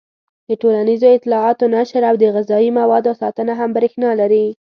د ټولنیزو اطلاعاتو نشر او د غذايي موادو ساتنه هم برېښنا لري.